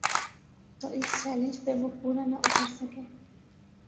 تو اس چیلنج پہ وہ پورا نہ اتر سکے۔